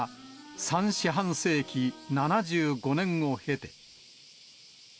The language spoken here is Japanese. ３四半世紀・７５年を経て。